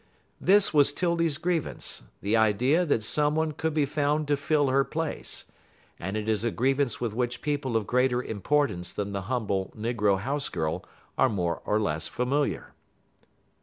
This was 'Tildy's grievance, the idea that some one could be found to fill her place; and it is a grievance with which people of greater importance than the humble negro house girl are more or less familiar.